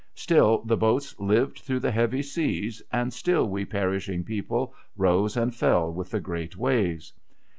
Still the boats lived through the heavy seas, and still we perishing people rose and fell with the great waves.